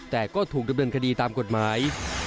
แต่ก็ถูกดำเนินคดีตามกฎหมาย